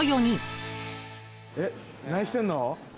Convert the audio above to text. えっ何してんの？